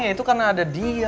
itu karena ada dia